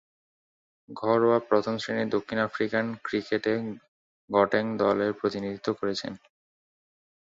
ঘরোয়া প্রথম-শ্রেণীর দক্ষিণ আফ্রিকান ক্রিকেটে গটেং দলের প্রতিনিধিত্ব করেছেন।